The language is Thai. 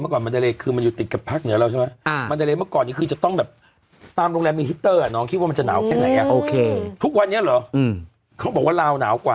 หนูไปเจอรบยี่สิบเอ็ดอ่ะรบยี่สิบเอ็ดรอบยี่สิบเอ็ด